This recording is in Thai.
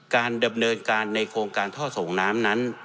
การดำเนินการในโครงการท่อส่งน้ำนั้น